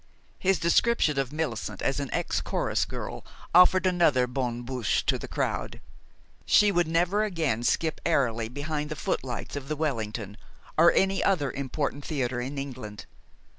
His description of Millicent as an ex chorus girl offered another bonne bouche to the crowd. She would never again skip airily behind the footlights of the Wellington, or any other important theater in England.